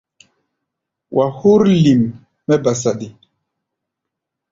Wa hú̧r lim mɛ́ ba saɗi.